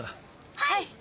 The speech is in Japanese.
はい！